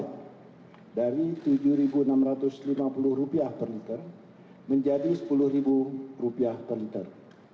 dari rp tujuh enam ratus lima puluh per liter menjadi rp sepuluh per liter